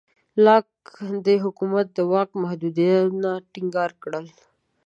لاک د حکومت د واک محدودیتونه ټینګار کړل.